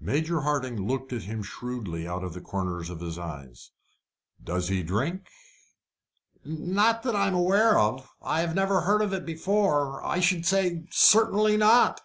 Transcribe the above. Major Hardinge looked at him shrewdly out of the corner of his eyes. "Does he drink?" "Not that I am aware of. I have never heard of it before. I should say certainly not."